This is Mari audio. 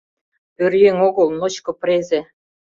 Пӧръеҥ огыл, ночко презе.